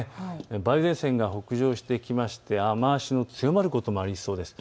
梅雨前線が北上してきまして雨足の強まることもありそうです。